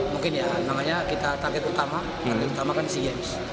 mungkin ya makanya kita target utama target utama kan sea games